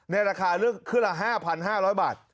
ในราคาเลือกเครื่องละ๕๕๐๐บาท